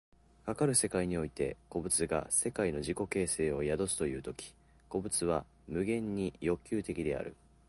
かかる世界において個物が世界の自己形成を宿すという時、個物は無限に欲求的である。